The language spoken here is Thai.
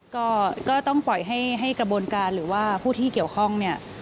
ก็จะต้องปล่อยให้กระบวนการหรือว่าผู้ที่เกี่ยวโฆ่ง